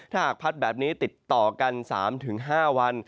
ถ้าหากพัดแบบนี้ติดต่อกัน๓๕วัน